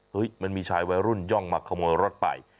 มันมีชายวัยรุ่นย่องมาขโมยรถไป